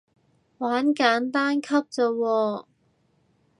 玩簡單級咋喎